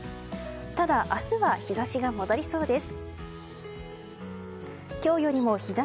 ただ、明日は日差しが戻りそうです。